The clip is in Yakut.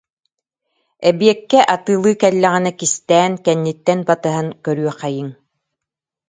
Эбиэккэ атыылыы кэллэҕинэ кистээн, кэнниттэн батыһан көрүөххэйиҥ